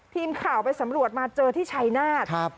ทีมข่าวไปสำรวจมาเจอที่ชัยนาธ